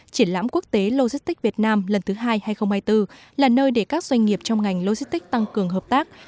triển lãm quốc tế logistics việt nam lần thứ hai hai nghìn hai mươi bốn là nơi để các doanh nghiệp trong ngành logistics tăng cường hợp tác